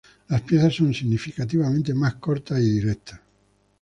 Las piezas son significativamente más cortas y directas.